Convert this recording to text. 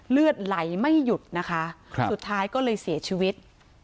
เลือดไหลไม่หยุดนะคะสุดท้ายก็เลยเสียชีวิต